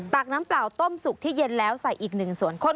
ตักน้ำเปล่าต้มสุกที่เย็นแล้วใส่อีก๑ส่วน